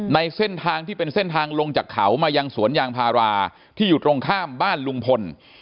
ในเส้นทางที่เป็นเส้นทางลงจากเขามายังสวนยางพาราที่อยู่ตรงข้ามบ้านลุงพล